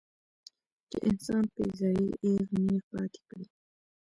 چې انسان پۀ ځائے اېغ نېغ پاتې کړي